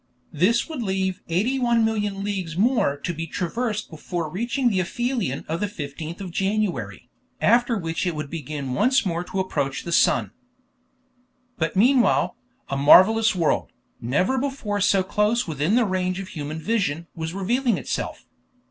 This would leave 81,000,000 leagues more to be traversed before reaching the aphelion of the 15th of January, after which it would begin once more to approach the sun. But meanwhile, a marvelous world, never before so close within the range of human vision, was revealing itself.